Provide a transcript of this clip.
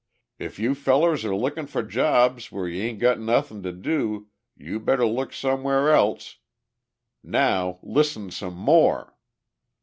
If you fellers are lookin' for jobs where you ain't got nothin' to do you better look somewhere else. Now, listen some more."